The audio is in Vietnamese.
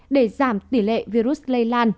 để giảm tỷ lệ virus lây lan